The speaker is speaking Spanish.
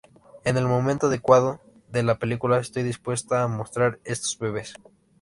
En el momento adecuado de la película, estoy dispuesta a mostrar estos bebes".